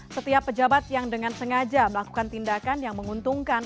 setiap pejabat yang dengan sengaja melakukan tindakan yang menguntungkan